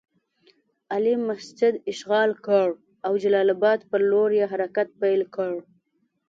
علي مسجد اشغال کړ او جلال اباد پر لور یې حرکت پیل کړ.